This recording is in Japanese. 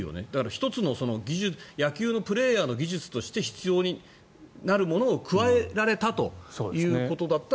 １つの野球のプレーヤーの技術として必要になるものを加えられたということだったら。